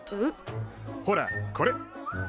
ほらこれ。